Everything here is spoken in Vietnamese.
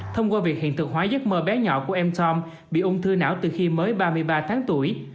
thông qua việc hiện thực hóa giấc mơ bé nhỏ của em timorm bị ung thư não từ khi mới ba mươi ba tháng tuổi